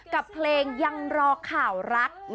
กับเพลงยังรอข่าวรัก